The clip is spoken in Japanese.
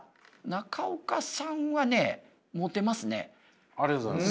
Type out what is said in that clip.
中岡さんはねありがとうございます。